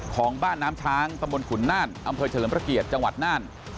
ของบ้านน้ำช้างตขุนน่านอเฉลิมพระเกียจจน่าน